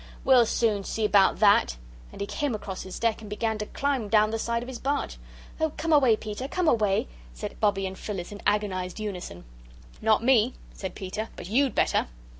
"We'll soon see about that." And he came across his deck and began to climb down the side of his barge. "Oh, come away, Peter, come away!" said Bobbie and Phyllis, in agonised unison. "Not me," said Peter, "but YOU'D better."